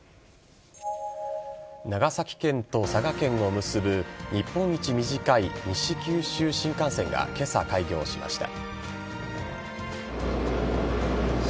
長崎県と佐賀県を結ぶ日本一短い西九州新幹線が今朝、開業しました。